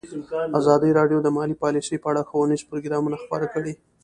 ازادي راډیو د مالي پالیسي په اړه ښوونیز پروګرامونه خپاره کړي.